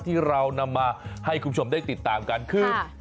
ที่เรานำมาให้คุณผู้ชมได้ติดตามกันคือ